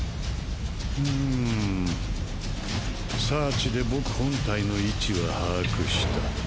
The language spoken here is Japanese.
フムサーチで僕本体の位置は把握した。